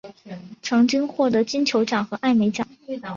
曾经获得金球奖和艾美奖。